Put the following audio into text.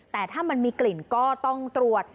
แต่ถ้ามันมีกลิ่นก็ต้องตรวจ